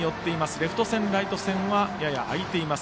レフト線、ライト線はやや空いています。